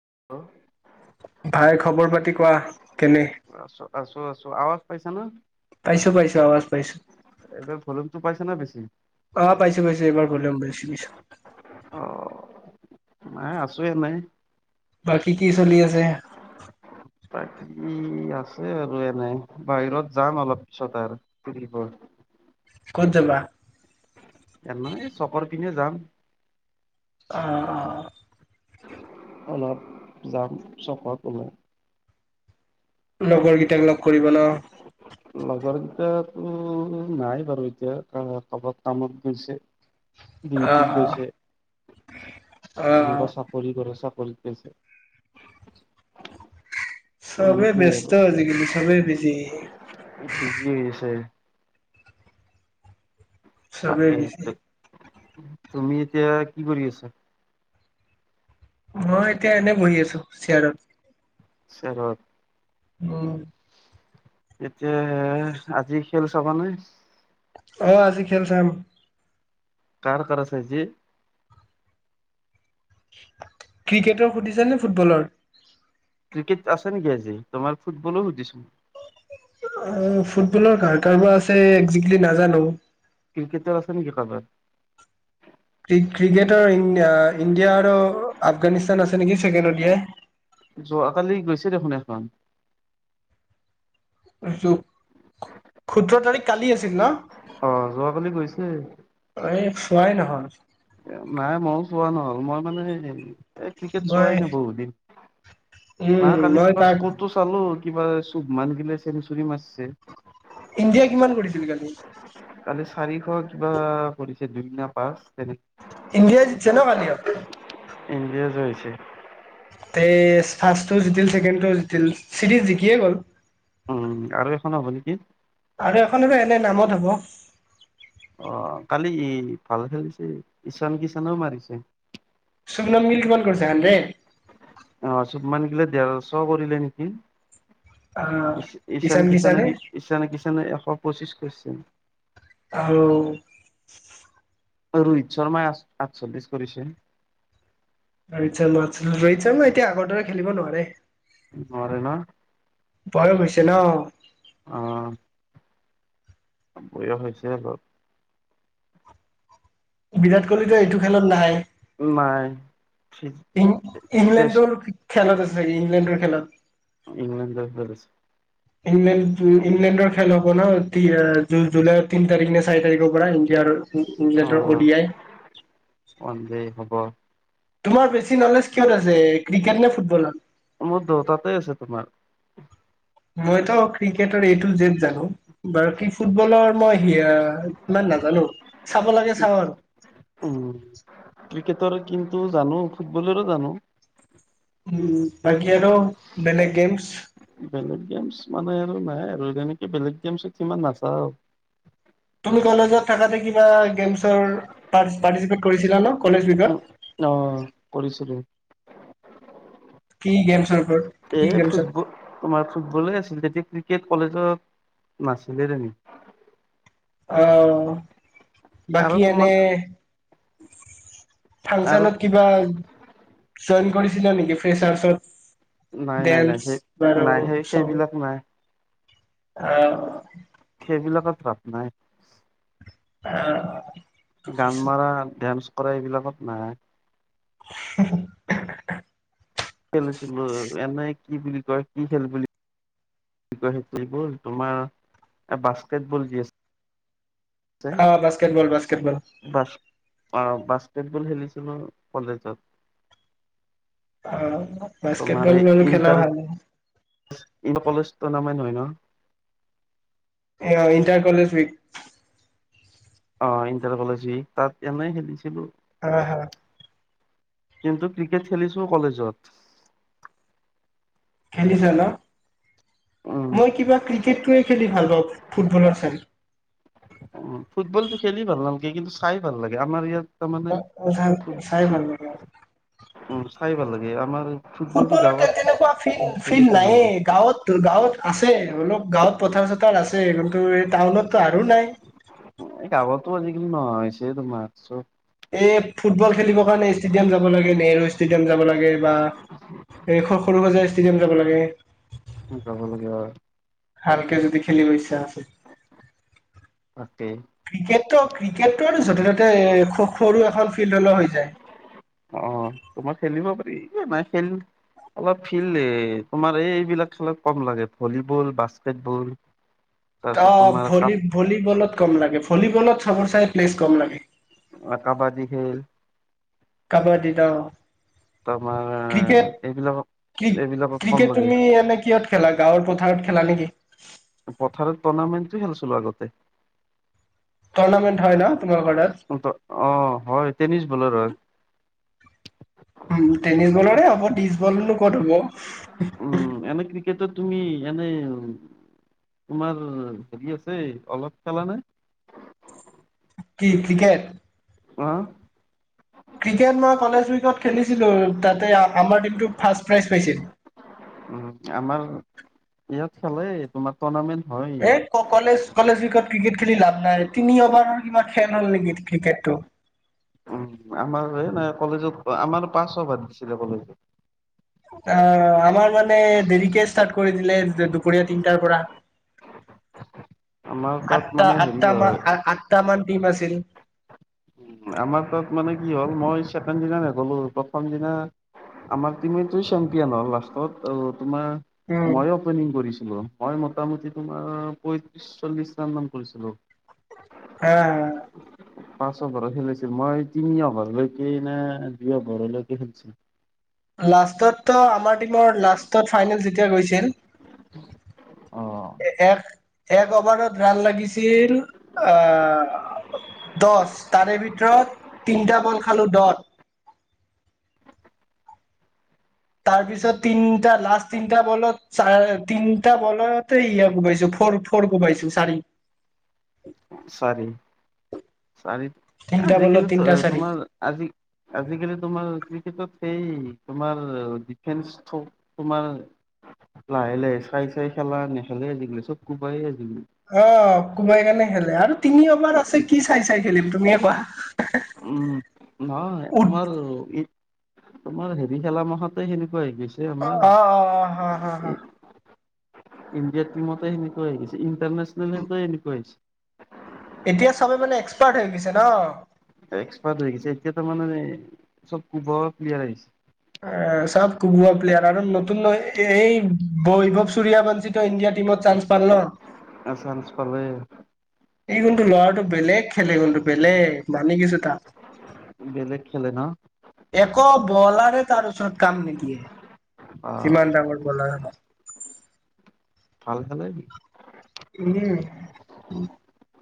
[inaudible] ভাই খবৰ পাতি কোৱা কেনে? আছো আছো আছো আৱাজ পাইছা ন। পাইছো পাইছো, আৱাজ পাইছো। উম। অ পাইছো পাইছো এইবাৰ ভলিউম পাইছো পাইছো অ, মই আছো এনেই। বাকী কি চলি আছে? বাকী আছে আৰু এনে বাহিৰত যাম অলপ পিছত আৰু ফৰিব। ক'ত যাবা? এনেই চকৰ পিনেনে যাম। অঁ অঁ। অলপ যাম চকত ওলাই। লগৰ কেইটাক লগ কৰিব ন। লগৰকেইটটো নাই বাৰু এতিয়া ত কবাত কামত গৈছে। অ অ ডিউটিত গৈছে, অ অ কোনোবা চাপৰি কৰে চৰি। বলছে [inaudible] চবে ব্যস্ত আজিকালি চবে বিজি। [unintelligible] চবেই বিজি তাকেইটো তুমি এতিয়া কি কৰি আছা? মই এতিয়া এনে বহি আছোঁ চিয়াৰত। চেয়াৰত? উম! এতিয়া আজি খেল চাবা নে? অ'হ আজি খেল চাম। কাৰ কাৰ আছে আজি? ক্ৰিকেটৰ সুধিছোনে ফুটবলৰ? ক্ৰিকেট আছে নেকি আজি? তোমাৰ ফুটবলো সুধিছো। অ' ফুটবলৰ কাৰ কাৰ বা আছে একজেক্টলি নাজানোঁ। ক্ৰিকেটৰ আছে নেকি কাবাৰ? ক্ৰিকেটৰ ইণ্ডিয়া আৰু আফগানিস্তান আছে নেকি, ছেকেণ্ড অ' ডি আই? যোৱাকালি গৈছে দেখোন এখন। সোত, সোতৰ তাৰিখ কালি আছিল ন? অ যোৱাকালি গৈছে, এই চোৱাই নহল নাই ময়ো চোৱা নহ'ল, মই মানে এই ক্ৰিকেট মই চোৱাই নাই বহুত দিন। নহ উম কালি মই কিবা কাক স্কোৰটো চালোঁ। কিবা চুভমান গিলে চেনচুুৰী মাৰছে। ইণ্ডিয়া কিমান কৰিছিল কালি? কালি চাৰিশ কিবা কৰিছে দুইনা পাচ তেনেকে। ইণ্ডিয় জিতছে ন? ইণ্ডিয়া জয় হৈছে। তে ফাৰ্ষ্টো জতিল ছেকেণ্ডটোও জতিল, চিৰিজ জিকিয়ে গ'ল। উম আৰু এখন হ'ব নেকি? আৰু এখন আৰু এনে নামত হ'ব। আহ কালি ই ভাল খেলিছে, ঈশান কিষণেও মাৰিছে। চুবনম গিল কমান কৰিছে? হানড্ৰেড? আহ চুবমান গিলে ডেৰশ কৰিলে নেকি। আহ ঈশান কিষানে কি, ঈশান কিছানে এশ পঁচিছ কেৰচে। আৰু ৰোহিত শৰ্মাই আঠচল্লিছ কৰিছে। ৰোহিত শৰ্মা আছিল, ৰোহিত শৰ্মা এতিয়া আগৰ দৰে খেলিব নোৱাৰে। মাৰে ন? তে ন! অ'হ! বৈয়া হৈছে অলপ। বিৰাট কোহলি ত' এইটো খেলত নাই। নাই। ই, টেষ্ট ইংলেণ্ডৰ খেলত আছে নেি ইংলেণ্ডৰ খেলত। ইংলেছ। ইংলেণ্ড ইংলেণ্ডৰ খেল হব ন জুলাইৰ তিন তাৰিখ নে চাৰি তাৰিখৰ পৰা অ ইণ্ডিয়াৰ। উৰ অডিয়াই। অ। তোমাৰ বেছি নলেজ কিয়ত আছে ক্ৰিকেট নে ফুটবলত। মধ তাতে আছে তোমাৰ। মইতো ক্ৰিকেটৰ এইটো জেদ জানো বাৰ কি ফুটবলৰ মই স ইমান নাজানো চাব লাগে চাওঁ উম আৰু ক্ৰিকেটৰ কিন্তু জানো ফুটবলৰো জানো উম বাকী আৰু আৰু বেলেগ গেমছ বেলেগ গেমছ মানে নাই আৰু তেনেকে বেলেগ গেম চত ইমান নাচাও তুমি কলেজত থাকতে কিবা গেমৰ পাৰ্িচিপট কৰিছিলা ন কলেজ উইকত উ অ কৰিছিলো। কি গেমছ। এ ফুটবল তোমাৰ ফুটবলে আছিল তেতিয়া ক্ৰিকেট কলেজত নাছিলে তেমি অ আৰু বাকি তোমাৰ এনে আৰু ফাংচনত কিবা। চইন কৰিছিলা নেকি ফ্ৰেছাৰছত। নাই নাই নাই সেই নাই সেই সেইবিলাক নাই অ বিলাকত ৰাাত নাই অ গান মাৰা ধান। কক এইবিলাকত নাই [unintelligible] খেলিছিলো এনেই কি বুলি কয় কি খেল বুলি কয় সেইটোোৱল তোমাৰ বাস্কেটবল যি আছে অ বাসকেট বল বাসকেট বল। আহ বাস্কেটবল খেলিছিলো কলেজত। আহ বাস্কেটবল মনো খেলা ভাল। ই কলেজ টুৰ্ণামেণ্ট হয় ন। অ ইণ্টাৰ কলেজ উক। অ ইণ্টাৰ কলেজী তাত এনেই খেলিছিলো। অ হা। কিন্তু ক্ৰিকেট খেলিছো কলেজত। খেলিছে ন। উম মই কিবা ক্ৰিকেটয়ে খেলি ভাল ফুটবলৰ চ ফুটবলতটো খেলি ভাল নালাগে কিন্তু চাই ভাল লাগে আমাৰ ইয়াত তাৰমানে অ চ ফুট চাই ভাল লাগে আৰু খাই ভাল লাগে আমাৰ ফুটবলটো ফুটবলত গাঁৱত তেনেকুৱা ফিল খেলি ফিল্ড ভাল নালাগে। নাইয়ে গাঁৱত গাঁৱত আছে আছে অলপ গাঁৱত পথাৰ চথাৰ আছে কিন্তু এই টাউনতো আৰু নাই এই কৱতো আজিকালি নহয় হৈছে তো মাৰছ এই ফুটবল খেলিবৰ কাৰণে ষ্টেডিয়াম যাব লাগে নেহেৰু ষ্টেডিয়াম যাব লাগে বা এই সৰু সজা ষ্টেডিয়াম যাব লাগে যাব লাগে হয় ভালকে যদি খেলিব ইচ্ছা আছিল। অকে ক্ৰিকেটটো ক্ৰিকেটটো আৰু য'তে ত'তে সৰু এখন ফিল্ড হলে হৈ যায় অঁ তোমাৰ খেলিব পাৰি নাই খেল অলপ ফিল্ তোমাৰ এইবিলাক খেলত কম লাগে ভলীবল বাস্কেটবল অ তাৰপিছত তোমাৰ কাব ভলী ভলীবলত কম লাগে ভলীবলত চবৰ চাই প্লেছ গম লাগে অ কাবাদী খেল। কাবডী। তোমাৰ ক্ৰিকেট এইবিলাকক ক এইবিলাকক কম ক্ৰিকেট লাগে তুমি এনে কিহত খেলা গাঁৱৰ পথাৰত খেলা নেকি পথাৰৰ টুৰ্ণামেণ্টটো খেলিছিলো আগতে টৰ্নামেণ্ট হয় ন তোমালোকৰ তাত অ হয় টেনিছ বলাৰ হয় উ টেনিছ বলৰে হ'ব ত্ৰিছ বলনো ক'ত হ'ব উম এনে ক্ৰিকেটত তুমি এনে তোমাৰ হেৰি আছে অলপ খেলানে কি কিকেট আহ ক্ৰিকেট মই কলেজ উইকত খেলিছিলো তাতে আমাৰ টিমটো ফাৰ্ষট প্ৰাইজ পাইছিল উ আমাৰ ইয়াত খেলে তোমাৰ টুৰ্ণামেন্ট এই ক কলেজ কলেজ বিত ক্ৰিকেট খেলি লাভ নাই তিনি অভাৰৰ কিমান খেল হ'ল নেকি ক্ৰিকেটটো উম, আমাৰ এই নাই কলেজত আমাৰ পাঁচশ ভাদ দিছিলে কলেজত আহ আমাৰ মানে দেৰিকে ষ্টাৰ্ট কৰি দিলে দুপৰীয়া তিনটাৰ পৰা আমাৰ তাত আঠটা মানে হেৰি আঠটা ম হয় আঠটামান টিম আছিল আমাৰ তাত মানে কি হ'ল মই ছেকেণ্ড দিনা নেগ'লো প্ৰথম দিনা আমাৰ টিমটো চেম্পিয়ন হ'ল লাষ্টত আমাৰ উম মই অপেনিংকৰিছিলো মোটামুটি তোমাৰ পয়ত্ৰিশ চল্লিশ ৰান নাম কৰিছিলো হ হয় ভাৰ খেলিছিল মই তিনি অভাৰলৈকে নে দুই অভাৰলৈকে খেলিছিলো লাষ্টতো আমাৰ টিমৰ লাষ্টত ফাইনেল যেতিয়া গৈছিল আহ এ- এক এক অভাৰত ৰাণ লাগিছিল আহ দহ তাৰে ভিতৰত তিনিটা বল খালো দট তাৰপিছত তিনটা লাষ্ট তিনটা বলত চ তিনটা বলতে ই কোবাইছো ফৰ ফৰ কোবাইছো চাৰি চাৰি চাৰি তিনটা বলত আজিকালি তিনটা চাৰি তোমাৰ আজি আজিকালি তোমাৰ কিকটত সেই তোমাৰ ডিফেন্স থ তোমাৰ লাহে লাহে চাই চাই খেলা নেখেলে আজি কালি চব কোবাই আজ অ কোবাই কাৰণে খেলে আৰু তুমি এবাৰ আছে কি চাই চাই খেলিম তুমিয়ে কোৱা উম নহ ই উঠ তোমাৰ তোমাৰ হেৰি খেলা মাহতে সেনেকুৱা হৈ গৈছে আমাৰ অ অ অ ইণ্ডিয়াৰ টিমতে সেনেকোৱা হৈ গৈছে। ইণ্টনে্যনেলেল এনেুৱছে এতিয়া চবে মানে এক্সপাৰ্ট হৈ গৈছে ন এক্সপাৰ্ট হৈ গছে এতিয়া তাৰ মানে চব প প্লেয়াৰ আহিছে চব কুবা প্লেয়াৰ আৰু নতুন এই বৈভৱ চুুৰয়া বঞ্চিতিত ইণ্ডিয়াৰ টিমত চান্স পাল ন আচানস পালে। এই কোনটো ল'ৰাটো বেলেগ খেলে কোনটো বেলেগ মানি কিছো তাত বেলেগ খেলে ন একো বলাৰে তাৰ ওচৰত কাম নিদিয়ে অ সিমান্ দাঙৰ বলাৰ [unintelligible] ভাল খানাই নকি উম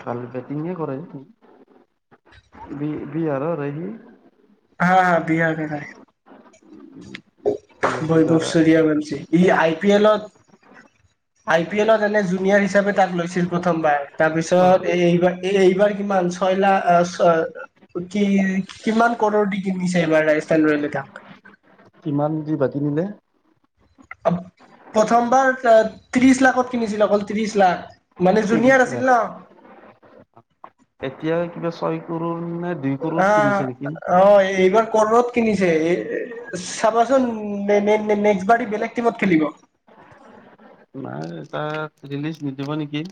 খাল বেটিঙে কৰে বি বিহাৰ সি। হা হা বিয়া বিঘা বিহাৰী বৈভৱ ল'ৰা চূৰিয়া বনছি ই আ আই পি এলত আই পি এলত এনে জুনিয়ৰ হিচাপে তাক লৈছিল প্ৰথমবাৰ অ তাৰপিছত এইৱা এই এইবাৰ কিমান ছয় লাখ ছয় লা কি কিমান কৰৰ দি কিনিছে এইবাৰ ৰাজস্থান ৰয়েল এটাক কিমান দি বাকি নি লে প্ৰথমবাৰ ত্ৰিশ লাখত কিনিছিল অকল ত্ৰিশ লাখ মানে জুনিয়ৰ ত্ৰিশ আছিল লাখ ন এতিয়া কিবা ছয় প অ অ এইবা কৰ কিনিছে চাবাচোন নেক্সবাৰ বেলেগ টিমত খেলিব নাই তাত ৰিলিজ নিদিব নেকি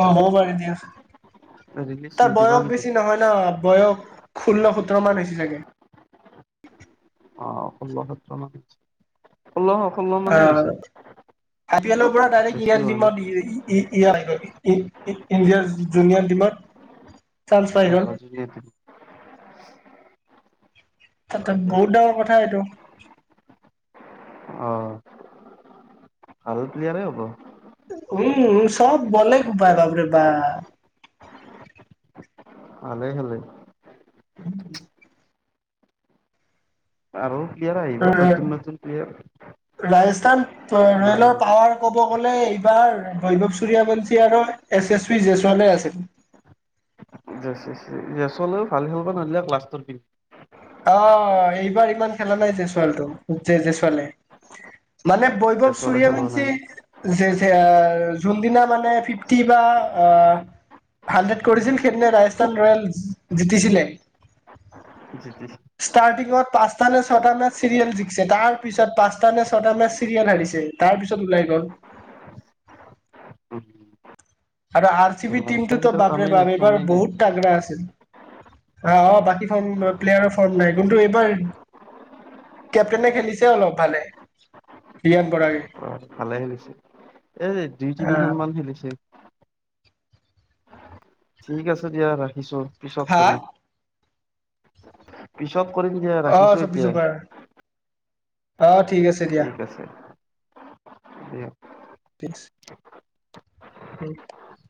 অ' হ'ব পাৰে দিয়া। ৰিলিজ তাৰ নিদিব বয়স কিজানি বেছি নহয় ন' বয়স ষোল্ল সোতৰ মান হৈছি ছাগে। অ' ষোল্ল সতৰো মান [unintelligible] ষোল্ল - ষোল্ল মানেই আহ হৈছে। [unintelligible] পৰা বেছি হোৱা নাই ডাইৰেক্ট [unintelligible] ইন - ইত - ইণ্ডিয়াৰ জু - জুনিয়ৰ টিমত চান্স পাই অ' গ'ল অ' জুনিয়ৰ টিমত তাতে বহুত ডাঙৰ কথা এইটো। অ ভাল প্লিয়াৰে হ'ব। উম উ চব বলে কুবাই বাপৰে বা ভালে খেলে। [unintelligible] আৰু প্লিয়াৰ আহিব নতুন নতুন প্লিয়াৰ। তান ৰ - ৰয়েলৰ পাৱাৰ ক'ব গ'লে। [unintelligible] বৈভৱ চুৰীয়বঞ্চি আৰু এছ এছ পি জয়চৱালে আছিল। জচচ ভি, জয়চৱালেও ভাল খেলবা নইল্লাক লাষ্টৰ দেখি। অ' এইবাৰ ইমান খেলা নাই জয়চৱালটো জে - জয়চৱালে। মানে বৈভৱ জেছলে খেলোৱা নাই ন চুৰিয়বঞ্চি জে [unintelligible] যোনদিনা মানে ফিফটি বা আ - হাণ্ড্ৰেড কৰিছিল, সেইদনা ৰাজস্থান ৰয়েল জি - জিতিছিলে। জিতিছি ষ্টাৰ্টিঙত পাঁচটা নে ছটা মেচ চিৰিয়েল জিকছে তাৰ পিছত পাঁচটা নে ছয়টা মেচ চিৰিয়েল হাৰিছে তাৰ পিছত ওলাই গ'ল। আৰু আৰ চি বিত তোমাৰ টিমতটো কেইটাৰ বাপৰে কামেই নাই বাপ এইবাৰ শ্ৰমেই নাই বহুত তাগৰা আছিল। অ' বাকী ফৰ্ম প্লেয়াৰৰ ফৰ্ম নাই কিন্তু এইবাৰ কেপটেনে খেলিছে অলপ ভালে ৰিয়ান পৰাগে। ভালে খেলিছে, এই দুই অ তিনিখনমান খেলিছে। ঠিক আছে দিয়া ৰাখিছো। পিছত হা কৰিম। পিছ ছত কৰিম দিয়া অ ৰাখিছো চৌব্বিছ এতিয়া। অভাৰ অ' আছে দিয়া ঠিক আছে। [unintelligible] [unintelligible] [unintelligible]